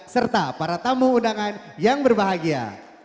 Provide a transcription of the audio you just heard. serta para tamu undangan yang berbahagia